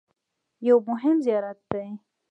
یو مهم زیارت دی.